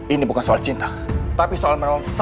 ini bukan soal cinta tapi soal